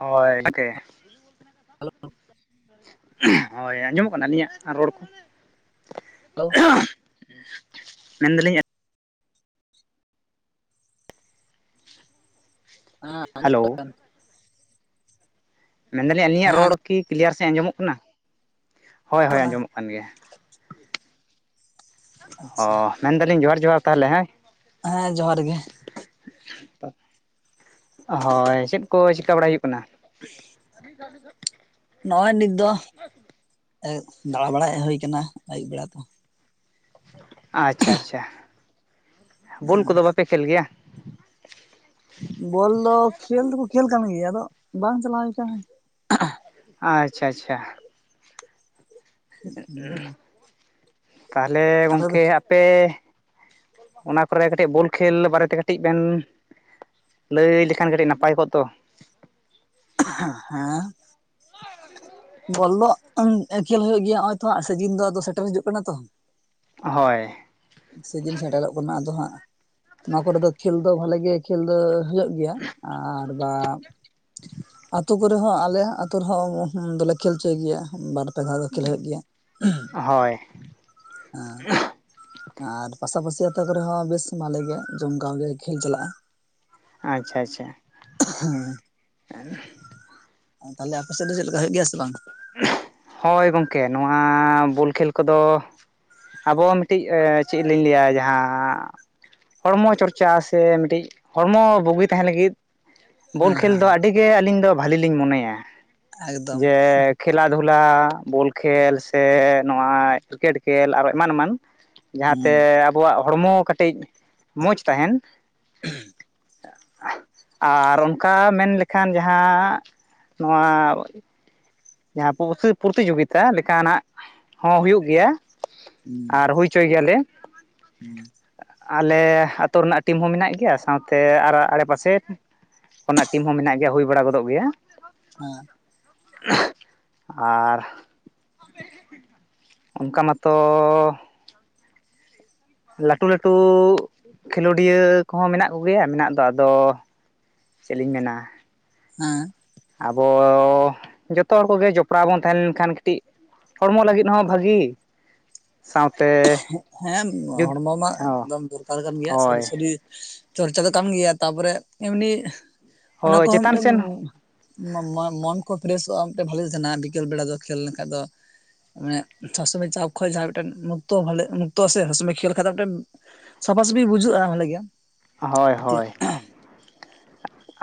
ᱦᱳᱭ [unintelligible] ᱦᱮᱞᱳ ᱦᱳᱭ ᱟᱸᱡᱚᱢᱚᱜ ᱠᱟᱱᱟ ᱟᱹᱞᱤᱧᱟᱜ ᱨᱚᱲ ᱠᱚ? ᱦᱮᱞᱳ ᱢᱮᱱ ᱫᱟᱞᱤᱧ ᱦᱮᱸ ᱟᱸᱡᱚᱢ ᱦᱮᱞᱳ [inaudible] ᱢᱮᱱᱫᱟᱞᱤᱧ ᱟᱹᱞᱤᱧᱟᱜ ᱦᱮᱸ ᱨᱚᱲ ᱟᱸᱡᱚᱢᱚᱜ ᱠᱤ ᱠᱞᱤᱭᱟᱨ ᱥᱟᱸᱦᱤᱡ ᱟᱸᱡᱚᱢᱚᱜ ᱠᱟᱱᱟ? ᱦᱳᱭ ᱦᱳᱭ ᱠᱟᱱᱟ ᱟᱸᱡᱚᱢᱚᱜ ᱠᱟᱱ ᱜᱮᱭᱟ ᱚ ᱟᱪᱪᱷᱟ ᱢᱮᱱᱫᱟᱞᱤᱧ ᱡᱚᱦᱟᱨ ᱡᱚᱦᱟᱨ ᱛᱟᱦᱚᱞᱮ ᱦᱮᱸ ᱦᱮᱸ ᱡᱚᱦᱟᱨ ᱜᱮ ᱦᱳᱭ ᱪᱮᱫ ᱠᱚ ᱪᱤᱠᱟᱹ ᱵᱟᱲᱟᱭ ᱦᱩᱭᱩᱜ ᱠᱟᱱᱟ? [inaudible] [unintelligible] ᱱᱚᱜᱼᱚᱭ ᱱᱤᱛ ᱫᱚ ᱫᱟᱬᱟ ᱵᱟᱲᱟ ᱦᱮᱡ ᱦᱩᱭ ᱟᱠᱟᱱᱟ ᱟᱹᱭᱩᱵ ᱵᱮᱲᱟ ᱛᱚ ᱟᱪᱪᱷᱟ ᱟᱪᱪᱷᱟ ᱵᱚᱞ ᱠᱚᱫᱚ ᱵᱟᱯᱮ ᱠᱷᱮᱞ ᱜᱮᱭᱟ? ᱵᱚᱞ ᱫᱚ ᱠᱷᱮᱞ ᱫᱚᱠᱚ ᱠᱷᱮᱹᱞ ᱠᱟᱱ ᱜᱮᱭᱟ ᱟᱫᱚ ᱵᱟᱝ ᱪᱟᱞᱟᱣ ᱦᱩᱭ ᱠᱟᱱᱟ᱾ ᱟᱪᱪᱷᱟ ᱟᱪᱪᱷᱟ ᱛᱟᱦᱚᱞᱮ ᱟᱫᱚ ᱜᱚᱢᱠᱮ ᱟᱯᱮ ᱚᱱᱟ ᱠᱚᱨᱮ ᱠᱟᱹᱴᱤᱡ ᱵᱚᱞ ᱠᱷᱮᱞ ᱵᱟᱨᱮᱛᱮ ᱠᱟᱹᱴᱤᱡ ᱵᱮᱱ ᱞᱟᱹᱭ ᱞᱮᱠᱷᱟᱱ ᱠᱟᱹᱴᱤᱡ ᱱᱟᱯᱟᱭ ᱠᱚᱜ ᱫᱚ ᱦᱮᱸ ᱵᱚᱞ ᱫᱚ ᱠᱷᱮᱞ ᱦᱩᱭᱩᱜ ᱜᱮᱭᱟ ᱱᱚᱜᱼᱚᱭ ᱛᱚ ᱦᱟᱸᱜ ᱥᱤᱡᱤᱱ ᱫᱚ ᱟᱫᱚ ᱥᱮᱴᱮᱨ ᱦᱤᱡᱩᱜ ᱠᱟᱱᱟ ᱛᱚ ᱦᱳᱭ ᱥᱤᱡᱤᱱ ᱥᱮᱴᱮᱨᱚᱜ ᱠᱟᱱᱟ ᱟᱫᱚ ᱦᱟᱸᱜ ᱱᱚᱣᱟ ᱠᱚᱨᱮ ᱫᱚ ᱠᱷᱮᱞ ᱫᱚ ᱵᱷᱟᱞᱤ ᱜᱮ ᱠᱷᱮᱞ ᱫᱚ ᱦᱳᱭᱳᱜ ᱜᱮᱭᱟ ᱟᱨ ᱵᱟ ᱟᱹᱛᱩ ᱠᱚᱨᱮ ᱦᱚᱸ ᱟᱞᱮ ᱟᱹᱛᱩ ᱨᱮᱦᱚᱸ ᱫᱚᱞᱮ ᱠᱷᱮᱞ ᱦᱚᱪᱚᱭ ᱜᱮᱭᱟ ᱵᱟᱨ ᱯᱮ ᱫᱷᱟᱣ ᱫᱚ ᱠᱷᱮᱞ ᱦᱩᱭᱩᱜ ᱜᱮᱭᱟ ᱦᱳᱭ ᱦᱮᱸ ᱟᱨ ᱯᱟᱥᱟᱯᱟᱥᱤ ᱟᱛᱳ ᱠᱚᱨᱮ ᱦᱚᱸ ᱵᱮᱥ ᱵᱷᱟᱞᱮ ᱜᱮ ᱡᱚᱢᱠᱟᱣ ᱜᱮ ᱠᱷᱮᱞ ᱪᱟᱞᱟᱜᱼᱟ᱾ ᱟᱪᱪᱷᱟ ᱟᱪᱪᱷᱟ ᱛᱟᱦᱚᱞᱮ ᱟᱯᱮ ᱥᱮᱫ ᱫᱚ ᱪᱮᱫ ᱞᱮᱠᱟ ᱦᱩᱭᱩᱜ ᱜᱮᱭᱟ ᱥᱮ ᱵᱟᱝ? ᱦᱳᱭ ᱜᱚᱝᱠᱮ ᱱᱚᱣᱟ ᱵᱚᱞ ᱠᱷᱮᱞ ᱠᱚᱫᱚ ᱟᱵᱚ ᱢᱤᱫᱴᱤᱡ ᱪᱮᱫ ᱞᱤᱧ ᱞᱟᱹᱭᱟ ᱡᱟᱦᱟᱸ ᱦᱚᱲᱢᱚ ᱪᱚᱨᱪᱟ ᱥᱮ ᱢᱤᱫᱴᱤᱡ ᱦᱚᱲᱢᱚ ᱵᱩᱜᱤ ᱛᱟᱦᱮᱸ ᱞᱟᱹᱜᱤᱫ ᱵᱚᱞ ᱦᱮᱸ ᱠᱷᱮᱞ ᱫᱚ ᱦᱮᱸ ᱟᱹᱰᱤᱜᱮ ᱟᱹᱞᱤᱧ ᱫᱚ ᱵᱷᱟᱹᱞᱤ ᱞᱤᱧ ᱢᱚᱱᱮᱭᱟ ᱮᱠᱫᱚᱢ ᱡᱮ ᱠᱷᱮᱞᱟ ᱫᱷᱩᱞᱟ ᱵᱚᱞ ᱠᱷᱮᱞ ᱥᱮ ᱱᱚᱣᱟ ᱠᱨᱤᱠᱮᱴ ᱠᱷᱮᱞ ᱟᱨᱚ ᱮᱢᱟᱱ ᱮᱢᱟᱱ ᱡᱟᱦᱟᱸᱛᱮ ᱦᱩᱸ ᱟᱵᱚᱣᱟᱜ ᱦᱚᱲᱢᱚ ᱠᱟᱹᱴᱤᱡ ᱢᱚᱡᱽ ᱛᱟᱦᱮᱱ ᱟᱨ ᱚᱱᱠᱟ ᱢᱮᱱ ᱞᱮᱠᱷᱟᱱ ᱡᱟᱦᱟᱸ ᱱᱚᱣᱟ ᱡᱟᱦᱟ [unintelligible] ᱯᱨᱚᱛᱤᱡᱳᱜᱤᱛᱟ ᱞᱮᱠᱟᱱᱟᱜ ᱦᱚᱸ ᱦᱩᱭᱩᱜ ᱜᱮᱭᱟ ᱦᱩᱸ ᱟᱨ ᱦᱩᱭ ᱦᱚᱪᱚᱭ ᱜᱮᱭᱟᱞᱮ ᱦᱩᱸ ᱟᱞᱮ ᱟᱛᱩ ᱨᱮᱱᱟᱜ ᱴᱤᱢ ᱦᱚᱸ ᱢᱮᱱᱟᱜ ᱜᱮᱭᱟ ᱥᱟᱶᱛᱮ ᱟᱨ ᱟᱲᱮᱯᱟᱥᱮ ᱠᱟᱱᱟᱜ ᱴᱤᱢ ᱦᱚᱸ ᱢᱮᱱᱟᱜ ᱜᱮᱭᱟ ᱦᱩᱭ ᱵᱟᱲᱟ ᱜᱚᱫᱚᱜ ᱜᱮᱭᱟ ᱦᱮ [inaudible] ᱟᱨ ᱚᱱᱠᱟ ᱢᱟᱛᱚ ᱞᱟᱹᱴᱩ ᱞᱟᱹᱴᱩ ᱠᱷᱮᱞᱳᱰᱤᱭᱟᱹ ᱠᱚᱦᱚ ᱢᱮᱱᱟᱜ ᱠᱚᱜᱮᱭᱟ ᱢᱮᱱᱟᱜ ᱫᱚ ᱟᱫᱚ ᱪᱮᱫ ᱞᱤᱧ ᱢᱮᱱᱟ? ᱦᱮᱸ ᱟᱵᱚ ᱡᱚᱛᱚ ᱦᱚᱲ ᱠᱚᱜᱮ ᱡᱚᱯᱲᱟᱣ ᱵᱚᱱ ᱛᱟᱦᱮ ᱞᱮᱱᱠᱷᱟᱱ ᱠᱟᱹᱴᱤᱡ ᱦᱚᱲᱢᱚ ᱞᱟᱹᱜᱤᱫ ᱦᱚ ᱵᱷᱟᱹᱜᱤ ᱥᱟᱶᱛᱮ ᱦᱮᱸ ᱡᱩᱫ ᱦᱚᱲᱢᱚ ᱢᱟ ᱦᱚᱸ ᱮᱠᱫᱚᱢ ᱫᱚᱨᱠᱟᱨ ᱠᱟᱱ ᱜᱮᱭᱟ ᱦᱳᱭ ᱥᱟᱨᱤ ᱥᱟᱨᱤᱨ ᱪᱚᱨᱪᱟ ᱫᱚ ᱠᱟᱱ ᱜᱮᱭᱟ ᱛᱟᱯᱚᱨᱮ ᱮᱢᱱᱤ ᱚᱱᱟ ᱦᱳᱭ ᱠᱚᱦᱚ ᱪᱮᱛᱟᱱ ᱢᱤᱫᱴᱮᱱ ᱥᱮᱱ ᱢᱚ ᱢᱚ ᱢᱚᱱ ᱠᱚ ᱯᱷᱨᱮᱥᱚᱜᱼᱟ ᱢᱤᱫᱴᱮᱱ ᱵᱷᱟᱞᱤ ᱛᱟᱦᱮᱱᱟ ᱵᱤᱠᱮᱹᱞ ᱵᱮᱲᱟ ᱫᱚ ᱠᱷᱮᱞ ᱞᱮᱱᱠᱷᱟᱱ ᱫᱚ ᱢᱟᱱᱮ ᱥᱚᱵᱥᱚᱢᱚᱭ ᱡᱟᱦᱟ ᱠᱷᱚᱡ ᱡᱟᱦᱟ ᱢᱤᱫᱴᱮᱱ ᱛᱚ ᱵᱷᱟᱞᱮ ᱩᱱ ᱚᱠᱛᱚ ᱥᱮ ᱦᱟᱹᱥᱩ ᱢᱮ ᱠᱷᱮᱞ ᱠᱷᱟᱡ ᱫᱚ ᱢᱤᱫᱴᱮᱱ ᱥᱟᱯᱷᱟ ᱥᱟᱹᱯᱤ ᱵᱩᱡᱷᱟᱹᱜᱼᱟ ᱵᱷᱟᱞᱮ ᱜᱮ ᱦᱳᱭ ᱦᱳᱭ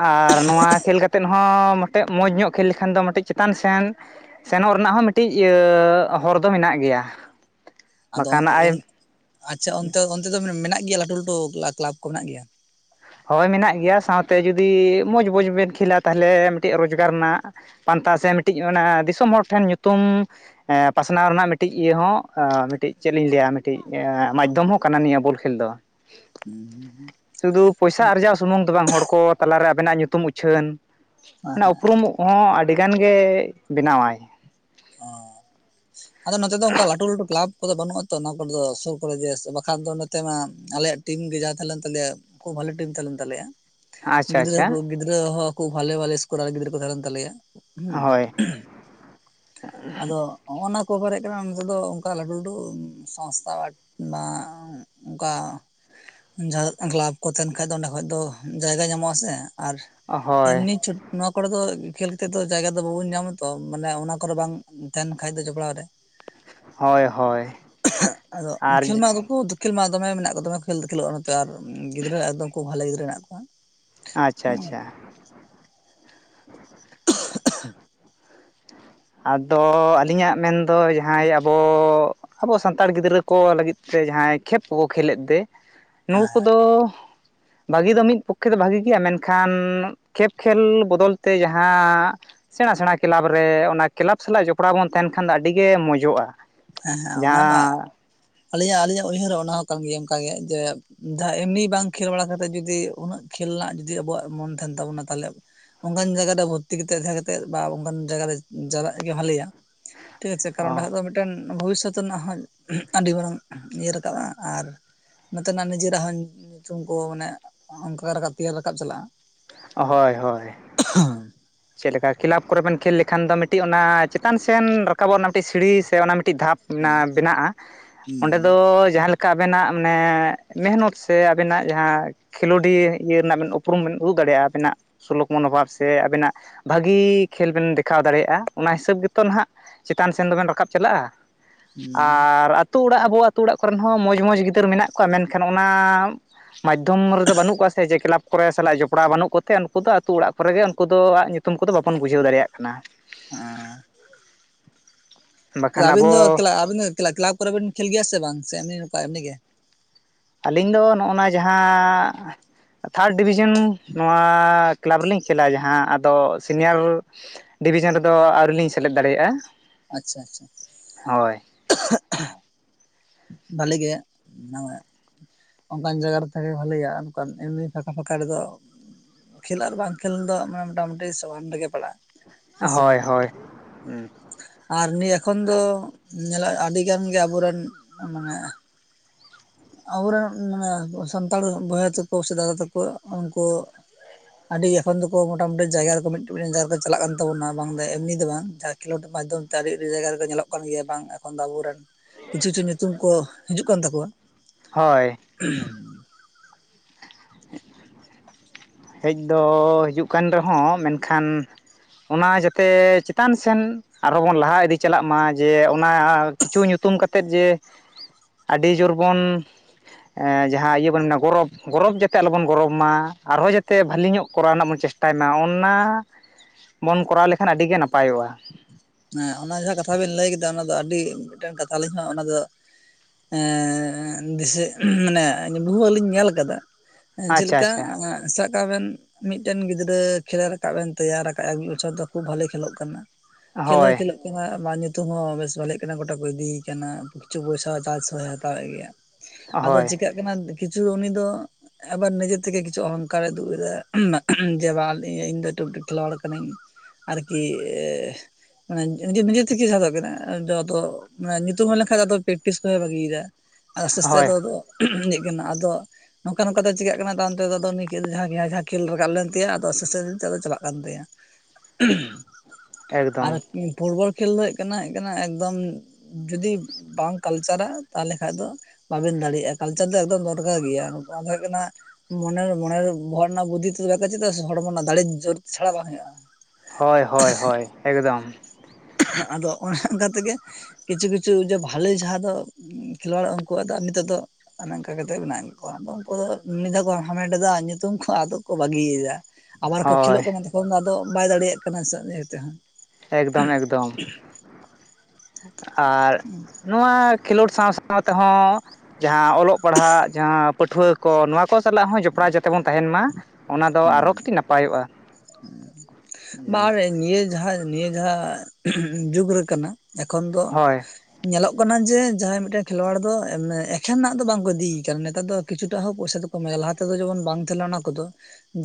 ᱟᱨ ᱱᱚᱣᱟ ᱠᱷᱮᱞ ᱠᱟᱛᱮᱫ ᱦᱚᱸ ᱢᱤᱫᱴᱮᱡ ᱢᱚᱡᱽ ᱧᱚᱜ ᱠᱷᱮᱞ ᱞᱮᱠᱷᱟᱱ ᱫᱚ ᱢᱤᱫᱴᱤᱡ ᱪᱮᱛᱟᱱ ᱥᱮᱱ ᱥᱮᱱᱚᱜ ᱨᱮᱱᱟᱜ ᱦᱚᱸ ᱢᱤᱫᱴᱤᱡ ᱤᱭᱟᱹ ᱦᱚᱨ ᱫᱚ ᱢᱮᱱᱟᱜ ᱜᱮᱭᱟ᱾ ᱟᱫᱚ ᱵᱟᱠᱷᱟᱱ ᱟᱡ ᱩᱱ ᱟᱪᱪᱷᱟ ᱚᱱᱛᱮ ᱚᱱᱛᱮ ᱫᱚ ᱢᱮᱱᱟᱜ ᱜᱮᱭᱟ ᱞᱟᱹᱴᱩ ᱞᱟᱹᱴᱩ ᱞᱟᱠ ᱞᱟᱠ ᱠᱚ ᱢᱮᱱᱟᱜ ᱜᱮᱭᱟ ᱦᱳᱭ ᱢᱮᱱᱟᱜ ᱜᱮᱭᱟ ᱥᱟᱶᱛᱮ ᱡᱩᱫᱤ ᱢᱚᱡᱽ ᱢᱚᱡᱽ ᱵᱮᱱ ᱠᱷᱮᱞᱟ ᱛᱟᱦᱚᱞᱮ ᱢᱤᱫᱴᱮᱱ ᱨᱳᱡᱽᱜᱟᱨ ᱨᱮᱱᱟᱜ ᱯᱟᱱᱛᱷᱟ ᱥᱮ ᱢᱤᱫᱴᱤᱡ ᱚᱱᱟ ᱫᱤᱥᱚᱢ ᱦᱚᱲ ᱴᱷᱮᱱ ᱧᱩᱛᱩᱢ ᱮ ᱯᱟᱥᱱᱟᱣ ᱨᱮᱱᱟᱜ ᱢᱤᱫᱴᱤᱡ ᱤᱭᱟᱹ ᱦᱚᱸ ᱢᱤᱫᱴᱤᱡ ᱪᱮᱫ ᱞᱤᱧ ᱞᱟᱹᱭᱟ ᱢᱤᱫᱴᱤᱡ ᱢᱟᱫᱽᱫᱷᱚᱢ ᱦᱚᱸ ᱠᱟᱱᱟ ᱱᱤᱭᱟᱹ ᱵᱚᱞ ᱠᱷᱮᱞ ᱫᱚ ᱥᱩᱫᱩ ᱯᱚᱭᱥᱟ ᱟᱨᱡᱟᱣ ᱥᱩᱢᱩᱝ ᱫᱚ ᱵᱟᱝ ᱦᱚᱲ ᱠᱚ ᱛᱟᱞᱟᱨᱮ ᱟᱵᱮᱱᱟᱜ ᱧᱩᱛᱩᱢ ᱩᱪᱷᱟᱹᱱ ᱢᱟᱱᱮ ᱩᱯᱨᱩᱢ ᱦᱚᱸ ᱟᱹᱰᱤ ᱜᱟᱱ ᱜᱮ ᱵᱮᱱᱟᱣᱟᱭ᱾ ᱚ ᱟᱫᱚ ᱱᱚᱛᱮ ᱫᱚ ᱚᱱᱠᱟ ᱞᱟᱹᱴᱩ ᱞᱟᱹᱴᱩ ᱠᱮᱞᱟᱵ ᱠᱚᱫᱚ ᱵᱟᱹᱱᱩᱜᱼᱟ ᱾ ᱛᱚ ᱚᱱᱟ ᱠᱚᱨᱮ ᱫᱚ ᱥᱩᱨ ᱠᱚᱨᱮ ᱜᱮ ᱵᱟᱠᱷᱟᱱ ᱫᱚ ᱱᱚᱛᱮ ᱢᱟ ᱟᱞᱮᱭᱟᱜ ᱴᱤᱢ ᱜᱮ ᱡᱟᱦᱟᱸ ᱛᱟᱦᱮᱸ ᱞᱮᱱ ᱛᱟᱞᱮᱭᱟ ᱠᱷᱩᱵ ᱵᱷᱟᱞᱤ ᱴᱤᱢ ᱛᱟᱦᱮ ᱞᱮᱱ ᱛᱟᱞᱮᱭᱟ ᱟᱪᱪᱷᱟ ᱜᱤᱫᱽᱨᱟᱹ ᱟᱪᱪᱷᱟ ᱠᱚ ᱜᱤᱫᱽᱨᱟᱹ ᱦᱚᱸ ᱠᱷᱩᱵ ᱵᱷᱟᱞᱮ ᱵᱷᱟᱞᱮ ᱥᱠᱳᱨ ᱟᱨ ᱜᱤᱫᱽᱨᱟᱹ ᱠᱚ ᱛᱟᱦᱮᱸ ᱞᱮᱱ ᱛᱟᱞᱮᱭᱟ ᱦᱮᱸ ᱦᱳᱭ ᱟᱫᱚᱜ ᱦᱚᱜᱚᱱᱟ ᱠᱚ ᱵᱟᱨᱮᱫ ᱠᱟᱱᱟ ᱚᱱᱠᱩ ᱫᱚ ᱚᱱᱠᱟ ᱞᱟᱹᱴᱩ ᱞᱟᱹᱴᱩ ᱥᱚᱝᱥᱛᱷᱟ ᱱᱟ ᱚᱠᱟ ᱡᱟᱦᱟᱸ ᱠᱞᱟᱵ ᱠᱚ ᱛᱟᱦᱮᱱ ᱠᱷᱟᱡ ᱫᱚ ᱚᱸᱰᱮ ᱠᱷᱚᱡ ᱫᱚ ᱡᱟᱭᱜᱟ ᱧᱟᱢᱚᱜ ᱟᱥᱮ ᱟᱨ ᱦᱳᱭ ᱮᱢᱱᱤ ᱪ ᱦᱚᱲ ᱫᱚ ᱠᱷᱮᱞ ᱠᱮᱛᱮ ᱫᱚ ᱡᱟᱭᱜᱟ ᱫᱚ ᱵᱟᱵᱚᱱ ᱧᱟᱢᱟ ᱛᱚ ᱢᱟᱱᱮ ᱚᱱᱟ ᱠᱚᱨᱮ ᱵᱟᱝ ᱛᱟᱦᱮᱱ ᱠᱷᱟᱡ ᱫᱚ ᱡᱚᱯᱲᱟᱣ ᱨᱮ ᱦᱳᱭ ᱦᱳᱭ ᱟᱨ ᱠᱷᱮᱞ ᱢᱟ ᱫᱩ ᱠᱚ ᱠᱷᱮᱞ ᱢᱟ ᱫᱚᱢᱮ ᱢᱮᱱᱟᱜ ᱠᱚ ᱫᱚᱢᱮ ᱠᱷᱮᱞ ᱫᱚ ᱠᱷᱮᱞᱚᱜᱼᱟ ᱱᱚᱛᱮ ᱟᱨ ᱜᱤᱫᱽᱨᱟᱹ ᱮᱠᱫᱚᱢ ᱠᱷ ᱵᱷᱟᱮ ᱜᱤᱫᱽᱨᱟᱹ ᱦᱮ ᱠᱚᱣᱟ ᱟᱪᱪᱷᱟ ᱟᱪᱪᱷᱟ ᱟᱫᱚ ᱟᱹᱞᱤᱧᱟᱜ ᱢᱮᱱᱫᱚ ᱡᱟᱦᱟᱸᱭ ᱟᱵᱚ ᱟᱵᱚ ᱥᱟᱱᱛᱟᱲ ᱜᱤᱫᱽᱨᱟᱹ ᱠᱚ ᱞᱟᱹᱜᱤᱫ ᱛᱮ ᱡᱟᱦᱟᱸᱭ ᱠᱷᱮᱯ ᱠᱚᱠᱚ ᱠᱷᱮᱞᱮᱫ ᱫᱮ ᱱᱩ ᱠᱚᱫᱚ ᱵᱷᱟᱹᱜᱤ ᱫᱚ ᱢᱤᱫ ᱯᱚᱠᱠᱷᱮ ᱫᱚ ᱵᱷᱟᱜᱤ ᱜᱮᱭᱟ ᱢᱮᱱᱠᱷᱟᱱ ᱠᱷᱮᱯ ᱠᱷᱮᱞ ᱵᱚᱫᱚᱞᱛᱮ ᱡᱟᱦᱟᱸ ᱥᱮᱬᱟ ᱥᱮᱬᱟ ᱠᱞᱟᱵᱽ ᱨᱮ ᱚᱱᱟ ᱠᱞᱟᱵᱽ ᱥᱟᱞᱟᱜ ᱡᱚᱯᱲᱟᱣ ᱵᱚᱱ ᱛᱟᱦᱮᱱ ᱠᱷᱟᱱ ᱫᱚ ᱟᱹᱰᱤᱜᱮ ᱢᱚᱡᱚᱜᱼᱟ᱾ ᱦᱮᱸ ᱦᱮᱸ ᱚᱱᱟ ᱢᱟ ᱡᱟᱦᱟᱸ ᱟᱹᱞᱤᱧᱟᱜ ᱟᱹᱞᱤᱧᱟᱜ ᱩᱭᱦᱟᱹᱨ ᱚᱱᱟ ᱦᱚᱸ ᱠᱟᱱ ᱚᱱᱠᱟᱜᱮ ᱡᱮ ᱡᱟᱦᱟᱸ ᱮᱢᱱᱤ ᱵᱟᱝ ᱠᱷᱮᱞ ᱵᱟᱲᱟ ᱠᱟᱛᱮᱫ ᱡᱩᱚᱫᱤ ᱩᱱᱟᱹᱜ ᱠᱷᱮᱞ ᱨᱮᱱᱟᱜ ᱡᱩᱫᱤ ᱟᱵᱚᱣᱟᱜ ᱢᱚᱱ ᱛᱟᱦᱮᱱ ᱛᱟᱵᱚᱱᱟ ᱛᱟᱦᱚᱞᱮ ᱚᱱᱠᱟᱱ ᱡᱟᱭᱜᱟ ᱨᱮ ᱵᱷᱚᱨᱛᱤ ᱠᱟᱛᱮᱫ ᱛᱟᱦᱮᱸ ᱠᱟᱛᱮᱫ ᱵᱟ ᱚᱱᱠᱟᱱ ᱡᱟᱭᱜᱟ ᱨᱮ ᱪᱟᱞᱟᱜ ᱜᱮ ᱵᱷᱟᱹᱞᱮ ᱭᱟ ᱴᱷᱤᱠ ᱟᱪᱷᱮ ᱠᱟᱨᱚᱱ ᱚ ᱚᱸᱰᱮ ᱠᱷᱚᱱ ᱫᱚ ᱢᱤᱫ ᱴᱮᱱ ᱵᱷᱚᱵᱤᱥᱚᱛ ᱨᱮᱱᱟᱜ ᱦᱚᱸ ᱟᱹᱰᱤ ᱢᱟᱨᱟᱝ ᱤᱭᱟᱹ ᱨᱟᱠᱟᱵ-ᱟ ᱟᱨ ᱱᱚᱛᱮ ᱱᱟᱜ ᱱᱤᱡᱮ ᱨᱟᱜ ᱦᱚᱸ ᱧᱩᱛᱩᱢ ᱠᱚ ᱢᱟᱱᱮ ᱚᱱᱠᱟ ᱛᱮᱭᱟᱨ ᱨᱟᱠᱟᱵ ᱪᱟᱞᱟᱜᱼᱟ ᱦᱳᱭ ᱦᱳᱭ [unintelligible] ᱪᱮᱫ ᱞᱮᱠᱟ ᱠᱮᱞᱟᱵᱽ ᱠᱚᱨᱮ ᱵᱮᱱ ᱠᱷᱮᱞ ᱞᱮᱠᱷᱟᱱ ᱫᱚ ᱢᱤᱫ ᱴᱤᱡ ᱚᱱᱟ ᱪᱮᱛᱟᱱ ᱥᱮᱱ ᱨᱟᱠᱟ ᱵᱚᱜ ᱨᱮᱱᱟᱜ ᱢᱤᱫ ᱴᱤᱡ ᱥᱤᱲᱤ ᱥᱮ ᱚᱱᱟ ᱢᱤᱫ ᱴᱤᱡ ᱫᱷᱟᱯ ᱵᱮᱱᱟᱜᱼᱟ ᱚᱸᱰᱮ ᱫᱚ ᱡᱟᱦᱟᱸ ᱞᱮᱠᱟ ᱟᱵᱮ ᱱᱟᱜ ᱢᱟᱱᱮ ᱢᱮᱦᱚ ᱱᱚᱛ ᱥᱮ ᱟᱵᱮᱱᱟᱜ ᱡᱟᱦᱟᱸ ᱠᱷᱮᱞᱳᱰᱤ ᱤᱭᱟᱹ ᱨᱮᱱᱟᱜ ᱵᱮᱱ ᱩᱯᱨᱩᱢ ᱵᱮᱱ ᱩᱫᱩᱜ ᱫᱟᱲᱮ ᱭᱟᱜᱼᱟ ᱟᱵᱤ ᱱᱟᱜ ᱥᱩᱞᱩᱠ ᱢᱚᱱᱳ ᱵᱷᱟᱵ ᱥᱮ ᱟᱵᱤ ᱱᱟᱜ ᱵᱷᱟᱹᱜᱤ ᱠᱷᱮᱞ ᱵᱮᱱ ᱫᱮᱠᱷᱟᱣ ᱫᱟᱲᱮ ᱭᱟᱜᱼᱟ ᱚᱱᱟ ᱦᱤ ᱥᱟᱹᱵᱽ ᱜᱮ ᱛᱚ ᱱᱟᱦᱟᱜ ᱪᱮᱛᱟᱱ ᱥᱮᱱ ᱫᱚ ᱵᱮᱱ ᱨᱟᱠᱟᱵ ᱪᱟᱞᱟᱜᱼᱟ ᱟᱨ ᱟᱛᱳ ᱚᱲᱟᱜ ᱟᱵᱚ ᱟᱛᱳ ᱚᱲᱟᱜ ᱠᱚᱨᱮᱱ ᱦᱚᱸ ᱢᱚᱡᱽ ᱢᱚᱡᱽ ᱜᱤᱫᱟᱹᱨ ᱢᱮᱱᱟᱜ ᱠᱚᱣᱟ ᱢᱮᱱ ᱠᱷᱟᱱ ᱚᱱᱟ ᱢᱟᱫᱽ ᱫᱷᱚᱢ ᱨᱮᱫᱚ ᱵᱟᱹᱱᱩᱜ ᱠᱚᱣᱟ ᱥᱮ ᱡᱮ ᱠᱞᱟᱵᱽ ᱠᱚᱨᱮ ᱥᱟᱞᱟᱜ ᱡᱚᱯ ᱲᱟᱣ ᱵᱟᱹᱱᱩᱜ ᱠᱚᱛᱮ ᱩᱱᱠᱩ ᱫᱚ ᱟᱹᱛᱩ ᱚᱲᱟᱜ ᱠᱚᱨᱮ ᱜᱮ ᱩᱱᱠᱩ ᱟᱣᱟᱜ ᱧᱩᱛᱩᱢ ᱠᱚ ᱫᱚ ᱵᱟᱵᱚᱱ ᱵᱩᱡᱷᱟᱹᱣ ᱫᱟᱲᱮ ᱭᱟᱜ ᱠᱟᱱᱟ᱾ [unintelligible] ᱵᱟᱠᱷᱟᱱ ᱟᱹᱵᱤᱱ ᱟᱵᱚ ᱫᱚ ᱠᱮᱞᱟ ᱟᱵᱤᱱ ᱫᱚ ᱠᱮᱞᱟᱯ ᱠᱚ ᱨᱮ ᱵᱤᱱ ᱠᱷᱮᱞ ᱜᱮᱭᱟ ᱥᱮ ᱵᱟᱝ ᱥᱮ ᱮᱢᱱᱤ ᱱᱚᱠᱟ ᱮᱢᱱᱤ ᱜᱮ? ᱟᱹᱞᱤᱧ ᱫᱚ ᱱᱚᱜᱼᱱᱟ ᱡᱟᱦᱟᱸ ᱛᱷᱟᱨᱰ ᱰᱤᱵᱷᱤ ᱥᱮᱱ ᱱᱚᱣᱟ ᱠᱞᱟᱵᱽ ᱨᱮᱞᱤᱧ ᱠᱷᱮᱞ-ᱟ ᱡᱟᱦᱟᱸ ᱟᱫᱚ ᱥᱤᱱᱤᱭᱟᱨ ᱰᱤᱵᱷᱤᱥᱮᱱ ᱨᱮ ᱫᱚ ᱟᱹᱣᱨᱤ ᱞᱤᱧ ᱥᱮᱞᱮᱫ ᱫᱟᱲᱮᱭᱟᱜᱼᱟ ᱟᱪᱪᱷᱟ ᱟᱪᱪᱷᱟ ᱦᱳᱭ [unintelligible] ᱵᱷᱟᱞᱤ ᱜᱮ [unintelligible] ᱚᱱᱠᱟᱱ ᱡᱟᱭᱜᱟ ᱨᱮ ᱛᱟᱦᱮ ᱜᱮ ᱵᱷᱟᱹᱞᱮᱭᱟ ᱚᱱᱠᱟᱱ ᱮᱢᱱᱤ ᱯᱷᱟᱸᱠᱟ ᱯᱷᱟᱸᱠᱟ ᱨᱮ ᱫᱚ ᱠᱷᱮᱞ ᱟᱨ ᱵᱟᱝ ᱠᱷᱮᱞ ᱫᱚ ᱢᱚᱴᱟ ᱢᱩᱴᱤ ᱥᱟᱢᱟᱱ ᱨᱮ ᱜᱮ ᱯᱟᱲᱟᱜᱼᱟ ᱦᱮᱸᱥᱮ ᱦᱳᱭ ᱦᱳᱭ ᱟᱨ ᱱᱤᱭᱟᱹ ᱮᱠᱷᱚᱱ ᱫᱚ ᱧᱮᱞᱚᱜ ᱟᱹᱰᱤ ᱜᱟᱱ ᱜᱮ ᱟᱵᱚ ᱨᱮᱱ ᱢᱟᱱᱮ ᱟᱵᱚ ᱨᱮᱱ ᱢᱟᱱᱮ ᱥᱟᱱᱛᱟᱲ ᱵᱚᱭᱦᱟ ᱛᱟ ᱠᱚ ᱥᱮ ᱫᱟᱫᱟ ᱛᱟᱠᱚ ᱩᱱ ᱠᱩ ᱟᱹᱰᱤ ᱦᱚᱲ ᱫᱚ ᱠᱚ ᱢᱚᱴᱟ ᱢᱩᱴᱤ ᱡᱟᱭᱜᱟ ᱨᱮ ᱠᱚ ᱢᱤᱫ ᱴᱮᱱ ᱡᱟᱭᱜᱟ ᱨᱮ ᱠᱚ ᱪᱟᱞᱟᱜ ᱠᱟᱱ ᱛᱟᱵᱚ ᱱᱟ ᱵᱟᱝ ᱫᱚ ᱮᱢ ᱱᱤ ᱫᱚ ᱵᱟᱝ ᱠᱷᱮᱞᱳᱰ ᱢᱟᱫᱽᱫᱷᱚᱢ ᱛᱮ ᱟᱹᱰᱤ ᱟᱹᱰᱤ ᱡᱟᱭᱜᱟ ᱨᱮ ᱠᱚ ᱧᱮᱞᱚᱜ ᱠᱟᱱ ᱜᱮᱭᱟ ᱵᱟᱝ ᱮᱠᱷᱚᱱ ᱫᱚ ᱟᱵᱚ ᱨᱮᱱ ᱠᱤᱪᱷᱩ ᱠᱤᱪᱷᱩ ᱧᱩᱛᱩᱢ ᱠᱚ ᱦᱤᱡᱩᱜ ᱠᱟᱱ ᱛᱟᱠᱚᱣᱟ ᱦᱳᱭ [unintelligible] ᱦᱮᱡ ᱫᱚ ᱦᱤᱡᱩᱜ ᱠᱟᱱ ᱨᱮ ᱦᱚᱸ ᱢᱮᱱ ᱠᱷᱟᱱ ᱚᱱᱟ ᱡᱟᱛᱮ ᱪᱮᱛᱟᱱ ᱥᱮᱱ ᱟᱨ ᱦᱚᱸ ᱵᱚᱱ ᱞᱟᱦᱟ ᱤᱫᱤ ᱪᱟᱞᱟᱜ ᱢᱟ ᱡᱮ ᱚᱱᱟ ᱠᱤᱪᱷᱩ ᱧᱩᱛᱩᱢ ᱠᱟᱛᱮᱫ ᱡᱮ ᱟᱹᱰᱤ ᱡᱳᱨ ᱵᱚᱱ ᱡᱟᱦᱟᱸ ᱤᱭᱟᱹ ᱵᱚᱱ ᱢᱮᱱᱟ ᱜᱚᱨᱚᱵᱽ ᱜᱚᱨᱚᱵᱽ ᱡᱟᱛᱮ ᱟᱞᱚᱵᱚᱱ ᱜᱚᱨᱚᱵᱽ ᱢᱟ ᱟᱨᱦᱚᱸ ᱡᱟᱛᱮ ᱛᱮ ᱵᱷᱟᱹᱞᱤ ᱧᱚᱜ ᱠᱚᱨᱟᱣ ᱨᱮᱱᱟᱜ ᱵᱚᱱ ᱪᱮᱥᱴᱟᱭ ᱢᱟ ᱚᱱᱟ ᱵᱚᱱ ᱠᱚᱨᱟᱣ ᱞᱮᱠᱷᱟᱱ ᱟᱹᱰᱤ ᱜᱮ ᱱᱟᱯᱟᱭ ᱠᱚᱜᱼᱟ ᱦᱮᱸ ᱚᱱᱟ ᱡᱟᱦᱟᱸ ᱠᱟᱛᱷᱟ ᱵᱮᱱ ᱞᱟᱹᱭ ᱠᱮᱫᱟ ᱚᱱᱟ ᱫᱚ ᱟᱹᱰᱤ ᱢᱤᱫ ᱴᱮᱱ ᱠᱟᱛᱷᱟ ᱟᱹᱞᱤᱧ ᱦᱚᱸ ᱚᱱᱟ ᱫᱚ ᱮᱸ ᱫᱤᱥᱟᱹ ᱢᱟᱱᱮ [unintelligible] ᱧᱮᱞ ᱟᱠᱟᱫᱟ ᱪᱮᱫ ᱟᱪᱪᱷᱟ ᱞᱮᱠᱟ ᱟᱪᱪᱷᱟ ᱥᱟᱵ ᱠᱟᱜ ᱵᱮᱱ ᱢᱤᱫ ᱴᱮᱱ ᱜᱤᱫᱽᱨᱟᱹ ᱠᱷᱮᱞ ᱨᱟᱠᱟᱵ ᱮᱱ ᱛᱟᱭᱟ [unintelligible] ᱢᱤᱫ ᱵᱚᱪᱷᱚᱨ ᱫᱚ ᱠᱷᱩᱵ ᱵᱷᱟᱞᱮ ᱠᱷᱮᱞᱳᱜ ᱠᱟᱱᱟ [unintelligible] ᱦᱳᱭ [unintelligible] ᱧᱩᱛᱩᱢ ᱦᱚᱸ ᱵᱮᱥ ᱵᱷᱟᱞᱮᱜ ᱠᱟᱱᱟ ᱜᱚᱴᱟ ᱠᱚ ᱤᱫᱤᱭᱮ ᱠᱟᱱᱟ ᱠᱤᱪᱷᱩ ᱯᱚᱭᱥᱟ ᱪᱟᱨᱪ ᱦᱚᱸᱭ ᱦᱟᱛᱟᱣ ᱮᱫ ᱜᱮᱭᱟ ᱟᱫᱚ ᱦᱳᱭ ᱪᱤᱠᱟᱹᱜ ᱠᱟᱱᱟ ᱠᱤᱪᱷᱩ ᱩᱱᱤ ᱫᱚ ᱮᱵᱟᱨ ᱱᱤᱡᱮ ᱛᱮ ᱜᱮ ᱠᱤᱪᱷᱩ ᱚᱦᱚᱝ ᱠᱟᱨᱼᱮ ᱩᱫᱩᱜ ᱮᱫᱟ ᱡᱮ ᱵᱟᱝ ᱤᱧ ᱫᱚ ᱢᱤᱫ ᱴᱟᱝ ᱠᱷᱮᱞᱣᱟᱲ ᱠᱟᱹᱱᱤᱧ ᱟᱨᱠᱤ ᱢᱟᱱᱮ ᱱᱤᱡᱮ ᱱᱤᱡᱮ ᱛᱮ ᱜᱮ ᱡᱟᱸᱦᱟ ᱫᱚ ᱟᱵᱮᱱᱟᱜ ᱟᱫᱚ ᱢᱮ ᱱᱮ ᱧᱩᱛᱩᱢ ᱦᱩᱭ ᱞᱮᱱ ᱠᱷᱟᱱ ᱟᱫᱚ ᱯᱮᱠᱴᱤᱥ ᱫᱚᱭ ᱵᱷᱟᱹᱜᱤ ᱮᱫᱟ ᱟᱥᱛᱮ ᱟᱥᱛᱮ ᱦᱳᱭ ᱫᱚ ᱤᱭᱟᱹ ᱠᱟᱱᱟ ᱟᱫᱚ ᱱᱚᱝᱠᱟ ᱱᱚᱝᱠᱟ ᱛᱮ ᱪᱤᱠᱟᱹᱜ ᱠᱟᱱᱟ ᱟᱫᱚ ᱦᱟᱱᱛᱮ ᱫᱚ ᱱᱤᱱᱠᱟᱹᱱ ᱡᱟᱦᱟᱸ ᱠᱷᱮᱞ ᱨᱟᱠᱟᱵ ᱞᱮᱱ ᱛᱟᱭᱟ ᱟᱫᱚ ᱟᱥᱛᱮ ᱟᱥᱛᱮ ᱫᱚ ᱪᱟᱵᱟᱜ ᱠᱟᱱ ᱛᱟᱭᱟᱼᱼ ᱮᱠᱫᱚᱢ [unintelligible] ᱯᱷᱩᱴᱵᱚᱞ ᱠᱷᱮᱞ ᱫᱚ ᱦᱩᱭᱩᱜ ᱠᱟᱱᱟ ᱦᱩᱭᱩᱜ ᱠᱟᱱᱟ ᱮᱠᱫᱚᱢ ᱡᱩᱫᱤ ᱵᱟᱢ ᱠᱟᱞᱪᱟᱨᱟ ᱛᱟᱦᱚᱞᱮ ᱠᱷᱟᱡ ᱫᱚᱼᱼ ᱵᱟᱵᱮᱱ ᱫᱟᱲᱮᱭᱟᱜᱼᱟ ᱠᱟᱞᱪᱟᱨ ᱫᱚ ᱮᱠᱫᱚᱢ ᱫᱚᱨᱠᱟ ᱜᱮᱭᱟ ᱚᱱᱟ ᱫᱚ ᱦᱩᱭᱩᱜ ᱠᱟᱱᱟᱼᱼ ᱢᱚᱱᱮᱨ ᱢᱚᱱᱮᱨ ᱵᱚᱦᱚᱜ ᱨᱮᱱᱟᱜ ᱵᱩᱫᱽᱫᱷᱤ ᱛᱮᱫᱚ ᱵᱟᱠᱮ [inaudible] ᱪᱮᱫᱟᱜ ᱦᱚᱲᱢᱚ ᱨᱮᱱᱟᱜ ᱫᱟᱲᱮ ᱡᱳᱨ ᱪᱷᱟᱲᱟ ᱵᱟᱝ ᱦᱩᱭᱩᱜᱼᱟ ᱦᱚᱭ ᱦᱚᱭ ᱦᱚᱭ ᱮᱠᱫᱚᱢ ᱟᱫᱚ ᱚᱱᱮ ᱚᱱᱠᱟ ᱛᱮᱜᱮᱼᱼ ᱠᱤᱪᱷᱩ ᱠᱤᱪᱷᱩ ᱡᱮ ᱵᱷᱟᱞᱮ ᱡᱟᱦᱟᱸ ᱫᱚ ᱠᱷᱮᱞᱳᱣᱟᱲ ᱩᱱᱠᱩᱣᱟᱜ ᱫᱚ ᱱᱤᱛᱚᱜ ᱫᱚᱼᱼ ᱚᱱᱮ ᱚᱱᱠᱟ ᱠᱟᱛᱮᱫ ᱢᱮᱱᱟᱜ ᱠᱚᱣᱟ ᱟᱫᱚ ᱩᱱᱠᱩ ᱫᱚ ᱢᱤᱫᱷᱟᱣᱠᱚ ᱦᱟᱢᱮᱴ ᱫᱟ ᱧᱩᱛᱩᱢ ᱠᱚ ᱟᱫᱚ ᱠᱚ ᱵᱟᱜᱤᱭᱮᱫᱟ᱾ ᱟᱵᱟᱨ ᱠᱚ ᱠᱷᱮᱞᱳᱜ ᱦᱳᱭ ᱠᱟᱱᱟ ᱛᱚᱠᱷᱚᱱ ᱫᱚ ᱟᱫᱚ ᱵᱟᱭ ᱫᱟᱲᱮᱭᱟᱜ ᱠᱟᱱᱟ ᱤᱭᱟᱹᱼᱼ ᱮᱠᱫᱚᱢ ᱮᱠᱫᱚᱢ᱾ ᱟᱨ ᱱᱚᱣᱟ ᱠᱷᱮᱞᱳᱰ ᱥᱟᱶ ᱥᱟᱶ ᱛᱮᱦᱚᱸᱼᱼ ᱡᱟᱦᱟᱸ ᱚᱞᱚᱜ ᱯᱟᱲᱦᱟᱜ ᱡᱟᱦᱟᱸᱼᱼ ᱯᱟᱹᱴᱷᱩᱣᱟᱹ ᱠᱚ ᱱᱚᱣᱟ ᱠᱚ ᱥᱟᱞᱟᱜ ᱦᱚᱸ ᱡᱚᱯᱲᱟᱣ ᱡᱟᱛᱮ ᱵᱚᱱ ᱛᱟᱦᱮᱱ ᱢᱟ ᱚᱱᱟ ᱫᱚ ᱟᱨᱚ ᱠᱟᱴᱤᱡ ᱱᱟᱯᱟᱭᱚᱜᱼᱟ᱾ ᱦᱩᱸ ᱵᱟᱝ ᱱᱤᱭᱟᱹ ᱡᱟᱦᱟᱸ ᱱᱤᱭᱟᱹ ᱡᱟᱦᱟᱸ ᱡᱩᱜᱽ ᱨᱮ ᱠᱟᱱᱟ ᱮᱠᱷᱚᱱ ᱫᱚᱼᱼ ᱦᱳᱭ ᱧᱮᱞᱚᱜ ᱠᱟᱱᱟ ᱡᱮ ᱡᱟᱦᱟᱸᱭ ᱢᱤᱫᱴᱮᱱ ᱠᱷᱮᱞᱣᱟᱲ ᱫᱚ ᱮᱠᱷᱮᱱᱟᱜ ᱫᱚ ᱵᱟᱝᱠᱚ ᱤᱫᱤᱭᱮ ᱠᱟᱱᱟ ᱱᱮᱛᱟᱨ ᱫᱚᱼᱼ ᱠᱤᱪᱷᱩᱴᱟᱜ ᱦᱚᱸ ᱯᱚᱭᱥᱟ ᱫᱚᱠᱚ ᱮᱢᱟᱭᱟ ᱞᱟᱦᱟ ᱛᱮᱫᱚ ᱡᱮᱢᱚᱱ ᱵᱟᱝ ᱛᱟᱦᱮᱸᱠᱟᱱᱟ ᱚᱱᱟ ᱠᱚᱫᱚ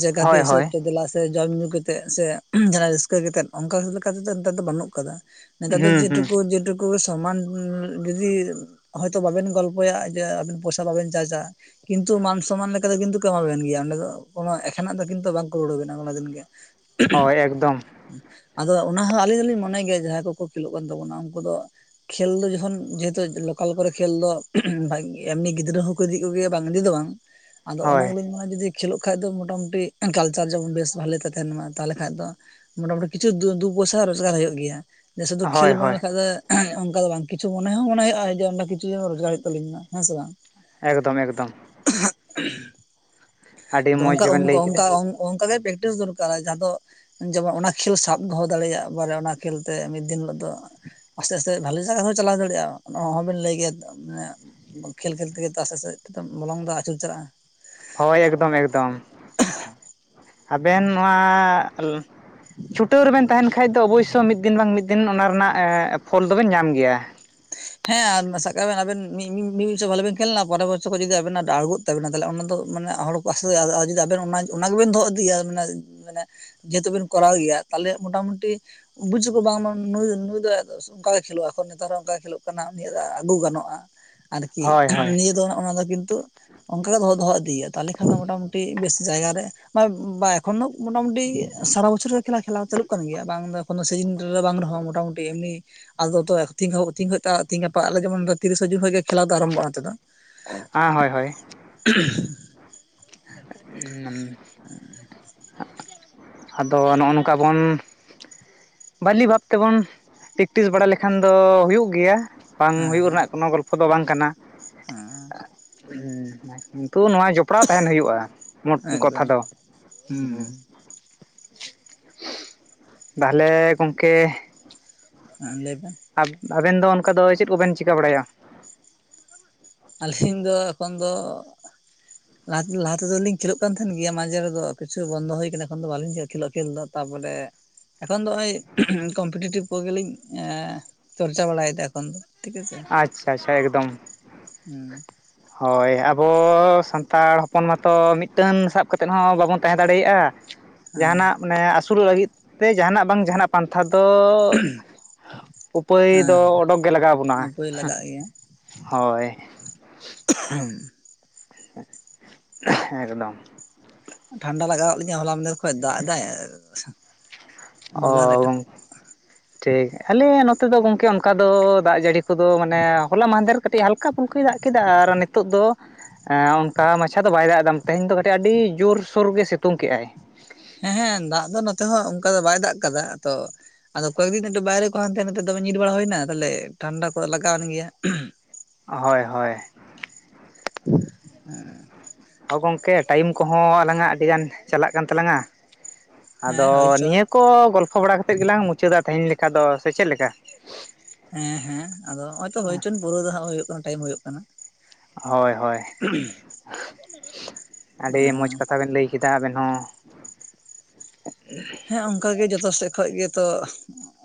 ᱡᱮ ᱜᱟᱛᱮ ᱦᱳᱭ ᱦᱤᱥᱟᱹᱵ ᱦᱳᱭ ᱛᱮᱼᱼ ᱥᱮ ᱡᱚᱢ ᱧᱩ ᱠᱟᱛᱮᱫ ᱥᱮ ᱡᱟᱦᱟᱸᱱᱟᱜ ᱨᱟᱹᱥᱠᱟᱹ ᱠᱟᱛᱮ ᱚᱱᱠᱟ ᱞᱮᱠᱟ ᱛᱮᱫᱚ ᱱᱮᱛᱟᱨ ᱫᱚ ᱵᱟᱱᱩᱜ ᱠᱟᱫᱟ᱾ ᱱᱮᱛᱟᱨ ᱫᱚ ᱦᱩᱸ ᱦᱩᱸ ᱡᱮᱴᱩᱠᱩ ᱡᱮᱴᱩᱠᱩ ᱥᱚᱢᱟᱱ ᱡᱩᱫᱤ ᱦᱚᱭᱛᱳ ᱵᱟᱵᱮᱱ ᱜᱚᱞᱯᱚᱭᱟ ᱡᱮ ᱟᱵᱮᱱ ᱯᱚᱭᱥᱟ ᱵᱟᱵᱮᱱ ᱪᱟᱡᱟ [unintelligible] ᱠᱤᱱᱛᱩ ᱢᱟᱱ ᱥᱚᱢᱟᱱ ᱞᱮᱠᱟᱛᱮᱼᱼ ᱠᱤᱱᱛᱩ ᱠᱚ ᱮᱢᱟ ᱵᱮᱱ ᱜᱮᱭᱟ ᱚᱸᱰᱮ ᱫᱚ ᱠᱚᱱᱳ ᱮᱠᱷᱮᱱᱟᱜ ᱫᱚ ᱠᱤᱱᱛᱩ ᱵᱟᱝᱠᱚ ᱨᱩᱟᱹᱲ ᱵᱤᱱᱟ ᱠᱚᱱᱚ ᱫᱤᱱ ᱜᱮ ᱦᱳᱭ ᱮᱠᱫᱚᱢ [unintelligible] ᱟᱫᱚ ᱚᱱᱟ ᱦᱚᱸ ᱟᱞᱤᱧ ᱫᱚᱞᱤᱧ ᱢᱚᱱᱮ ᱜᱮᱭᱟ ᱡᱟᱦᱟᱸᱭ ᱠᱚ ᱠᱚ ᱠᱷᱮᱞᱳᱜ ᱠᱟᱱ ᱛᱟᱵᱚᱱᱟ ᱩᱱᱠᱩ ᱫᱚᱼᱼ ᱠᱷᱮᱞ ᱫᱚ ᱡᱚᱠᱷᱚᱱ ᱡᱮᱦᱮᱛᱩ ᱞᱚᱠᱟᱞ ᱠᱚᱨᱮ ᱠᱷᱮᱞ ᱫᱚ ᱮᱢᱱᱤ ᱜᱤᱫᱽᱨᱟᱹ ᱦᱚᱸᱠᱚ ᱤᱫᱤ ᱠᱚᱜᱮᱭᱟ ᱵᱟᱝ ᱤᱫᱤ ᱫᱚ ᱵᱟᱝ᱾ ᱟᱫᱚ ᱚᱱᱟ ᱦᱳᱭ ᱜᱮᱞᱤᱧ ᱢᱮᱱᱟ ᱡᱩᱫᱤ ᱠᱷᱮᱞᱳᱜ ᱠᱷᱟᱱ ᱫᱚ ᱢᱚᱴᱟᱢᱩᱴᱤ ᱠᱟᱞᱪᱟᱨ ᱡᱮᱢᱚᱱ ᱵᱮᱥ ᱵᱷᱟᱞᱮ ᱛᱮ ᱛᱟᱦᱮᱱ ᱢᱟ ᱛᱟᱦᱥᱞᱮ ᱠᱷᱟᱱ ᱫᱚᱼᱼ ᱢᱚᱴᱟᱢᱩᱴᱤ ᱠᱤᱪᱷᱩ ᱫᱩ ᱫᱩ ᱯᱚᱭᱥᱟ ᱨᱳᱡᱽᱜᱟᱨ ᱦᱩᱭᱩᱜ ᱜᱮᱭᱟ ᱥᱩᱫᱩ ᱠᱷᱮᱞ ᱦᱳᱭ ᱢᱚᱱᱮ ᱦᱳᱭ ᱞᱮᱠᱷᱟᱡ ᱫᱚᱼᱼ ᱚᱱᱠᱟ ᱫᱚ ᱵᱟᱝ ᱠᱤᱪᱷᱩ ᱢᱚᱱᱮ ᱦᱚᱸ ᱢᱚᱱᱮ ᱦᱩᱭᱩᱜᱼᱟ ᱡᱮᱸ ᱠᱤᱪᱷᱩ ᱨᱳᱡᱽᱜᱟᱨ ᱦᱩᱭᱩᱜ ᱛᱟᱞᱤᱧ ᱢᱟ ᱦᱮᱸᱥᱮ ᱵᱟᱝ᱾ ᱮᱠᱫᱚᱢ ᱮᱠᱫᱚᱢ᱾ ᱦ ᱟᱹᱰᱤ ᱟᱫᱚ ᱢᱚᱡᱽ ᱚᱱᱠᱟ ᱵᱮᱱ ᱚᱱᱠᱟ ᱞᱟᱹᱭ ᱠᱮᱫᱟ ᱚᱱᱠᱟ ᱚᱱᱠᱟ ᱜᱮ ᱯᱨᱮᱠᱴᱤᱥ ᱫᱚᱨᱠᱟᱨ ᱼᱼ ᱡᱟᱦᱟᱸ ᱫᱚ ᱡᱮᱢᱚᱱ ᱚᱱᱟ ᱠᱷᱮᱞ ᱥᱟᱵ ᱫᱚᱦᱚ ᱫᱟᱲᱮᱭᱟᱜᱼᱟ ᱵᱟᱨᱮ ᱚᱱᱟ ᱠᱷᱮᱞ ᱛᱮ ᱢᱤᱫ ᱫᱤᱱ ᱦᱤᱞᱳᱜ ᱫᱚᱼᱼ ᱟᱥᱛᱮ ᱟᱥᱛᱮ ᱵᱷᱟᱞᱮ ᱡᱟᱭᱜᱟ ᱦᱚᱸ ᱪᱟᱞᱟᱣ ᱫᱟᱲᱮᱭᱟᱜᱼᱟ ᱚᱱᱟ ᱚᱦᱚᱸ ᱵᱮᱱ ᱞᱟᱹᱭ ᱠᱮᱜᱮ ᱛᱚ ᱢᱟᱱᱮᱼᱼ ᱠᱷᱮᱞ ᱠᱷᱮᱞ ᱛᱮᱜᱮ ᱛᱚ ᱟᱥᱛᱮ ᱟᱥᱛᱮ ᱛᱮ ᱢᱚᱞᱚᱝ ᱫᱚ ᱟᱪᱩᱨ ᱪᱟᱞᱟᱜᱼᱟ᱾ ᱦᱳᱭ ᱮᱠᱫᱚᱢ ᱮᱠᱫᱚᱢ ᱟᱵᱮᱱ ᱱᱚᱣᱟᱼᱼ ᱪᱷᱩᱴᱟᱹᱣ ᱨᱮᱵᱮᱱ ᱛᱟᱦᱮᱱ ᱠᱷᱟᱡ ᱫᱚ ᱚᱵᱚᱥᱥᱳᱭ ᱢᱤᱫ ᱫᱤᱱ ᱵᱟᱝ ᱢᱤᱫ ᱫᱤᱱ ᱚᱱᱟ ᱨᱮᱱᱟᱜ ᱯᱷᱚᱞ ᱫᱚᱵᱮᱱ ᱧᱟᱢ ᱜᱮᱭᱟ᱾ ᱦᱮᱸ ᱟᱨ ᱥᱟᱵ ᱠᱟᱜ ᱵᱮᱱ ᱟᱵᱮᱱ ᱢᱤᱫ ᱵᱚᱪᱷᱚᱨ ᱵᱷᱟᱜᱮ ᱵᱮᱱ ᱠᱷᱮᱞᱱᱟ ᱯᱚᱨᱮᱨ ᱵᱚᱪᱷᱚᱨ ᱠᱷᱚᱱ ᱡᱩᱫᱤ ᱱᱟᱜ ᱰᱟᱬᱜᱳ [unintelligible] ᱛᱟᱵᱮᱱᱟ ᱛᱟᱦᱞᱮ ᱚᱱᱟ ᱫᱚ ᱢᱟᱱᱮ ᱦᱚᱲ ᱠᱚ ᱟᱥ ᱟᱥᱛᱮ ᱡᱩᱫᱤ ᱟᱵᱮᱱ ᱚᱱᱟ ᱚᱱᱟ ᱜᱮᱵᱮᱱ ᱫᱚᱜ ᱤᱫᱤᱭᱟ ᱢᱟᱱᱮ ᱢᱟᱱᱮᱼᱼ ᱡᱮᱦᱮᱛᱩ ᱵᱤᱱ ᱠᱚᱨᱟᱣ ᱜᱮᱭᱟ ᱛᱟᱦᱚᱞᱮ ᱢᱚᱴᱟᱢᱩᱴᱤᱼᱼ ᱵᱩᱡ ᱟᱠᱚ ᱵᱟᱝᱢᱟ ᱱᱩᱭ ᱫᱚ ᱱᱩᱭ ᱫᱚ ᱚᱱᱠᱟ ᱜᱮ ᱠᱷᱮᱞᱳᱜ ᱮᱠᱷᱚᱱ ᱱᱮᱛᱟᱨ ᱦᱚᱸ ᱚᱠᱟ ᱜᱮᱭ ᱠᱷᱮᱞᱳᱜᱼᱼ ᱱᱤᱭᱟᱹ ᱫᱚ ᱟᱹᱜᱩ ᱜᱟᱱᱚᱜᱼᱟ ᱟᱨᱠᱤ ᱦᱳᱭ ᱦᱳᱭ ᱱᱤᱭᱟᱹ ᱫᱚ ᱚᱱᱟ ᱫᱚ ᱠᱤᱱᱛᱩᱼᱼ ᱚᱱᱠᱟ ᱜᱮ ᱫᱚᱦᱚ ᱫᱚᱦᱚ ᱤᱫᱤ ᱦᱳᱭᱳᱜ-ᱟ ᱛᱟᱦᱟᱞᱮ ᱠᱷᱟᱱ ᱫᱚ ᱢᱚᱴᱟᱢᱩᱴᱤ ᱵᱮᱥ ᱡᱟᱭᱜᱟ ᱨᱮᱼᱼ ᱵᱟ ᱮᱠᱷᱚᱱ ᱫᱚ ᱢᱚᱴᱟᱢᱩᱴᱤ ᱥᱟᱨᱟ ᱵᱚᱪᱷᱚᱨ ᱜᱮ ᱠᱷᱮᱞᱟ ᱠᱷᱮᱞᱟᱣ ᱪᱟᱹᱞᱩᱜ ᱠᱟᱱ ᱜᱮᱭᱟ ᱵᱟᱝ ᱫᱚᱼᱼ ᱠᱚᱱᱚ ᱥᱤᱡᱤᱱ ᱨᱮ ᱵᱟᱝ ᱨᱮᱦᱚᱸ ᱢᱚᱴᱟᱢᱩᱴᱤ ᱮᱢᱱᱤ ᱟᱫᱚ [inaudible] ᱛᱮᱦᱤᱧ ᱜᱟᱯᱟ ᱟᱞᱮ ᱡᱮᱢᱚᱱ ᱛᱤᱨᱤᱥᱟ ᱡᱩᱱ ᱠᱷᱚᱱᱜᱮ ᱠᱷᱮᱞᱟ ᱫᱚ ᱟᱨᱟᱢᱵᱚᱜᱼᱟ ᱱᱛᱮ ᱫᱚ᱾ ᱦᱟ ᱦᱳᱭ ᱦᱳᱭ ᱦ [unintelligible] [unintelligible] ᱟᱫᱚ ᱱᱚᱜᱼᱚ ᱱᱚᱝᱠᱟ ᱵᱚᱱᱼᱼ ᱵᱷᱟᱞᱤ ᱵᱷᱟᱵ ᱛᱮᱵᱚᱱ ᱯᱮᱠᱴᱤᱥ ᱵᱟᱲᱟ ᱞᱮᱠᱷᱟᱱ ᱫᱚ ᱦᱩᱭᱩᱜ ᱜᱮᱭᱟ᱾ ᱵᱟᱝ ᱦᱮᱸ ᱦᱩᱭᱩᱜ ᱨᱮᱱᱟᱜ ᱠᱳᱱᱳ ᱜᱚᱞᱯᱷᱚ ᱫᱚ ᱵᱟᱝ ᱠᱟᱱᱟ᱾ ᱦ ᱠᱤᱱᱛᱩ ᱱᱚᱣᱟ ᱡᱚᱯᱲᱟᱣ ᱛᱟᱦᱮᱱ ᱦᱩᱭᱩᱜᱼᱟ ᱢᱳᱴ ᱦᱮᱸ ᱠᱟᱛᱷᱟ ᱮᱠᱫᱚᱢ ᱫᱚ ᱦᱩᱸ ᱛᱟᱦᱞᱮ ᱜᱚᱝᱠᱮ ᱦᱮᱸ ᱞᱟᱹᱭᱵᱮ᱾ ᱟᱵᱮᱱ ᱫᱚ ᱚᱱᱠᱟ ᱫᱚ ᱪᱮᱫ ᱠᱚᱵᱮᱱ ᱪᱤᱠᱟᱹ ᱵᱟᱲᱟᱭᱟ᱾ ᱟᱹᱞᱤᱧ ᱫᱚ ᱮᱠᱷᱚᱱ ᱫᱚ ᱞᱟᱦᱟ ᱞᱟᱦᱟ ᱛᱮᱫᱚᱞᱤᱧ ᱠᱷᱮᱞᱳ ᱠᱟᱱ ᱛᱟᱦᱮᱱ ᱜᱮᱭᱟ ᱢᱟᱡᱷᱮ ᱨᱮᱫᱚ ᱠᱤᱪᱷᱩ ᱵᱚᱱᱫᱚ ᱦᱩᱭ ᱟᱠᱟᱱᱟ ᱮᱠᱷᱚᱱ ᱫᱚ ᱵᱟᱞᱤᱧ ᱠᱷᱮᱞᱳᱜ ᱠᱷᱮᱞ ᱫᱚ ᱛᱟᱨᱯᱚᱨᱮ᱾ ᱮᱠᱷᱚᱱ ᱫᱚ ᱱᱚᱜᱭ ᱠᱚᱢᱯᱤᱴᱤᱵᱷ ᱠᱚᱜᱮᱞᱤᱧ ᱪᱚᱨᱪᱟ ᱵᱟᱲᱟᱭᱮᱫᱟ᱾ ᱠᱷᱚᱱ ᱫᱚ ᱴᱷᱤᱠᱪᱮ ᱟᱪᱪᱷᱟ ᱟᱪᱪᱷᱟ ᱮᱠᱫᱚᱢ ᱦᱮᱸ ᱦᱳᱭ ᱟᱵᱚ ᱥᱟᱱᱛᱟᱲ ᱦᱚᱯᱚᱱ ᱢᱟᱛᱚ ᱢᱤᱫᱴᱟᱹᱱ ᱥᱟᱵ ᱠᱟᱛᱮᱫ ᱦᱚᱸ ᱵᱟᱵᱚᱱ ᱛᱟᱦᱮᱸ ᱫᱟᱲᱮᱭᱟᱜᱼᱟ᱾ ᱦᱮᱸ ᱡᱟᱦᱟᱱᱟᱜ ᱢᱟᱱᱮ ᱟᱹᱥᱩᱞᱚᱜ ᱞᱟᱹᱜᱤᱫ ᱛᱮ ᱡᱟᱦᱟᱱᱟᱜ ᱵᱟᱝ ᱡᱟᱦᱟᱱᱟᱜ᱾ ᱯᱟᱱᱛᱷᱟ ᱫᱚ ᱩᱯᱟᱹᱭ ᱫᱚ ᱚᱰᱚᱠ ᱜᱮ ᱞᱟᱜᱟᱣ ᱵᱚᱱᱟ᱾ ᱦᱩᱭᱳᱭ ᱞᱟᱜᱟᱜ ᱜᱮᱭᱟ᱾ ᱦᱳᱭ ᱮᱠᱫᱚᱢ ᱴᱷᱟᱱᱰᱟ ᱞᱟᱜᱟᱣᱫ ᱞᱤᱧᱟ ᱦᱚᱞᱟ ᱢᱫᱮᱨ ᱠᱷᱚᱱ ᱫᱟᱜ ᱮᱫᱟᱭ᱾ ᱚ ᱜᱚᱞᱟᱨᱮ ᱮᱴᱮᱫ ᱜᱚᱝᱠᱮ ᱴᱷᱤᱠ ᱟᱞᱮ ᱱᱚᱛᱮ ᱫᱚ ᱜᱚᱝᱠᱮ ᱚᱱᱠᱟ ᱫᱚ ᱫᱟᱜ ᱡᱟᱹᱲᱤ ᱠᱚᱫᱚ ᱢᱟᱱᱮ ᱦᱚᱞᱟ ᱢᱟᱦᱫᱮᱨ ᱠᱟᱹᱴᱤᱡ ᱦᱟᱞᱠᱟ ᱦᱟᱞᱠᱟ ᱯᱷᱩᱞᱠᱟᱭ ᱫᱟᱜ ᱠᱮᱫᱟ ᱟᱨ ᱱᱤᱛᱚᱜ ᱫᱚ ᱚᱱᱠᱟ ᱢᱟᱪᱷᱟ ᱫᱚ ᱵᱟᱭ ᱫᱟᱜ ᱱᱚᱛᱮ, ᱛᱮᱦᱮᱧ ᱫᱚ ᱠᱟᱹᱴᱤᱡ ᱟᱹᱰᱤ ᱡᱳᱨᱥᱳᱨ ᱜᱮ ᱥᱤᱛᱩᱝ ᱠᱮᱜᱼᱟᱭ ᱦᱮᱸ ᱦᱮᱸ ᱫᱟᱜ ᱫᱚ ᱱᱚᱛᱮ ᱦᱚᱸ ᱚᱱᱠᱟ ᱫᱚ ᱵᱟᱭ ᱫᱟᱜ ᱟᱠᱟᱫᱟ ᱛᱚ ᱟᱫᱚ ᱠᱚᱭᱮᱠ ᱫᱤᱱ ᱮᱠᱴᱩ ᱵᱟᱭᱨᱮ ᱠᱚ ᱦᱟᱱ ᱛᱟᱦᱮᱸᱱᱟ ᱱᱤᱛᱚᱜ ᱫᱚᱢᱮ ᱧᱤᱨ ᱵᱟᱲᱟ ᱦᱩᱭᱱᱟ ᱛᱟᱦᱚᱞᱮ ᱴᱷᱟᱱᱰᱟ ᱠᱚᱫᱚ ᱞᱟᱜᱟᱣ ᱮᱱ ᱜᱮᱭᱟ ᱦᱳᱭ ᱦᱳᱭ [inaudible] ᱦᱩᱸ ᱛᱚ ᱜᱚᱝᱠᱮ ᱴᱟᱭᱤᱢ ᱠᱚᱦᱚᱸ ᱟᱞᱟᱝᱟᱜ ᱟᱹᱰᱤ ᱜᱟᱱ ᱪᱟᱞᱟᱜ ᱠᱟᱱ ᱛᱟᱞᱟᱝᱟ ᱦᱮᱸ ᱟᱫᱚ ᱦᱳᱭ ᱪᱚᱝ ᱱᱤᱭᱟᱹ ᱠᱚ ᱜᱚᱞᱯᱷᱚ ᱵᱟᱲᱟ ᱠᱟᱛᱮᱫ ᱜᱮᱞᱟᱝ ᱢᱩᱪᱟᱹᱫᱟ ᱛᱮᱦᱮᱧ ᱞᱮᱠᱟ ᱫᱚ ᱥᱮ ᱪᱮᱫ ᱞᱮᱠᱟ ᱦᱮᱸ ᱦᱮᱸ ᱟᱫᱚ ᱱᱚᱜ-ᱚᱭ ᱛᱚ ᱦᱳᱭᱪᱚᱝ ᱯᱩᱨᱟᱹ ᱫᱚ ᱦᱟᱸᱜ ᱦᱩᱭᱩᱜ ᱠᱟᱱᱟ ᱴᱟᱭᱤᱢ ᱦᱩᱭᱩᱜ ᱠᱟᱱᱟ ᱦᱳᱭ ᱦᱳᱭ ᱟᱹᱰᱤ ᱢᱚᱡᱽ ᱠᱟᱛᱷᱟ ᱵᱮᱱ ᱞᱟᱹᱭ ᱠᱮᱫᱟ ᱟᱵᱮᱱ ᱦᱚᱸ ᱦᱮᱸ ᱚᱱᱠᱟᱜᱮ ᱡᱚᱛᱚ ᱥᱮᱫ ᱠᱷᱚᱱ ᱜᱮᱛᱚ